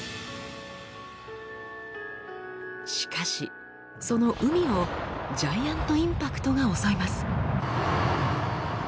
しかしその海をジャイアント・インパクトが襲います。